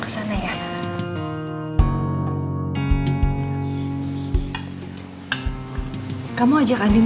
kalau nanti sudah selesai acara kalian